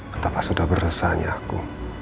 betapa sudah beresannya aku